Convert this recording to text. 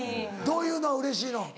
どういうのがうれしいの？